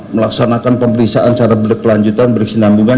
melaksanakan pemeriksaan secara berkelanjutan berkesinambungan